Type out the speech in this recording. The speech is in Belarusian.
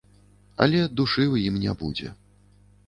Але душы ў ім не будзе.